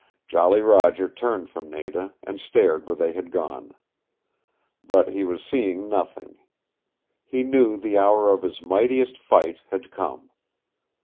Jolly Roger turned from Nada, and stared where they had gone. But he was seeing nothing. He knew the hour of his mightiest fight had come.